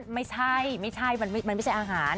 ไม่ใช่มันไม่ใช่อาหาร